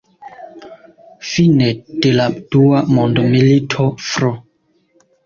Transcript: Fine de la Dua Mondmilito, Fr.